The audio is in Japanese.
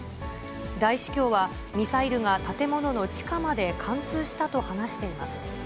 大司教は、ミサイルが建物の地下まで貫通したと話しています。